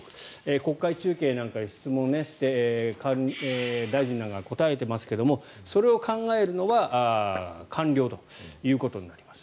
国会中継なんかで質問して大臣らが答えていますがそれを考えるのは官僚ということになります。